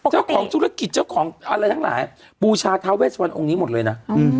เจ้าของธุรกิจเจ้าของอะไรทั้งหลายบูชาท้าเวสวันองค์นี้หมดเลยนะ